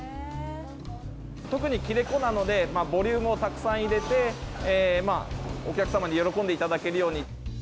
特に切れ子なので、ボリュームもたくさん入れて、お客様に喜んでいただけるように。